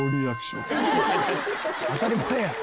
「当たり前や！」